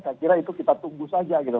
saya kira itu kita tunggu saja gitu